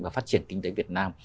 và phát triển kinh tế việt nam